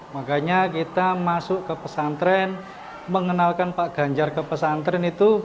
makanya kita masuk ke pesantren mengenalkan pak ganjar ke pesantren itu